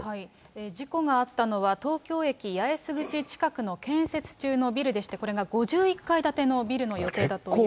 事故があったのは、東京駅八重洲口近くの建設中のビルでして、これが５１階建てのビルの予定だということです。